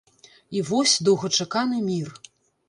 І вось доўгачаканы мір.